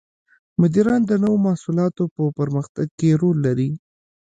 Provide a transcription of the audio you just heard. مدیران د نوو محصولاتو په پرمختګ کې رول لري.